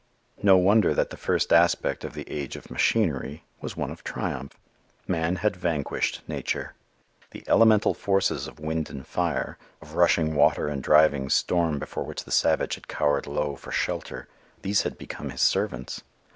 No wonder that the first aspect of the age of machinery was one of triumph. Man had vanquished nature. The elemental forces of wind and fire, of rushing water and driving storm before which the savage had cowered low for shelter, these had become his servants.